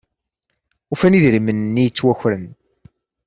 Ufan idrimen-nni ittwakren.